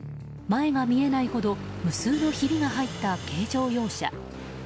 前が見えないほど無数のひびが入った軽乗用車。